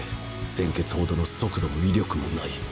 「穿血」ほどの速度も威力もない。